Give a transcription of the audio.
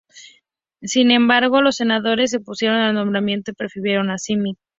Sin embargo, los senadores se opusieron al nombramiento y prefirieron a Smith.